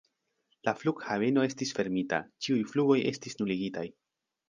La flughaveno estis fermita, ĉiuj flugoj estis nuligitaj.